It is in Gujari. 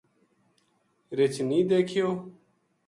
رچھ نیہہ دیکھیو